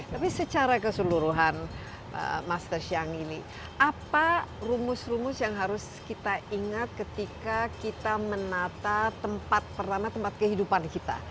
tapi secara keseluruhan mastersyang ini apa rumus rumus yang harus kita ingat ketika kita menata tempat pertama tempat kehidupan kita